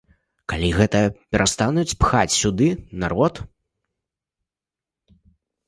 Калі гэта перастануць пхаць сюды народ?!